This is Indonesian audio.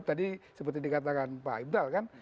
tadi seperti dikatakan pak ibdal kan